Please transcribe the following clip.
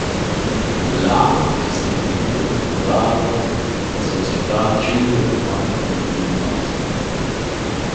Là es nempe gnüda fundada la società Chüra d’uffants Engiadina Bassa.